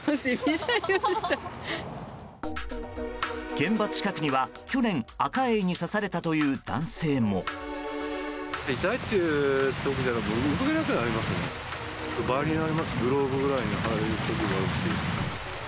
現場近くには去年、アカエイに刺されたという男性も。